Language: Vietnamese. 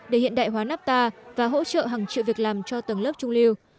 để hiện đại hóa napta và hỗ trợ hàng triệu việc làm cho tầng lớp trung lưu